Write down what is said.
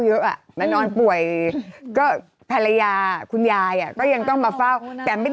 รุ่นแม่รุ่นสมัยอย่างเงี้ย